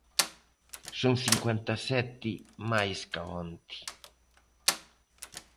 Son cincuenta e sete máis ca onte.